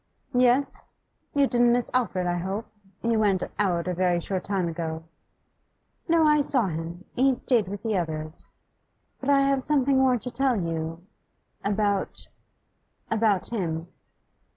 'Yes? You didn't miss Alfred, I hope. He went out a very short time ago.' 'No, I saw him. He stayed with the others. But I have something more to tell you, about about him.